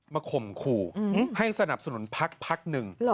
มาข่มคู่ให้สนับสนุนพักนึง